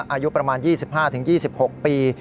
อายุประมาณ๒๕๒๖ปี